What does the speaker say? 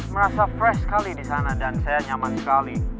merasa fresh sekali di sana dan saya nyaman sekali